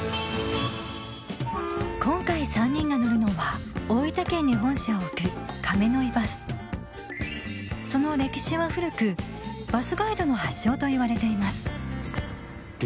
今回３人が乗るのは大分県に本社を置くその歴史は古くバスガイドの発祥といわれています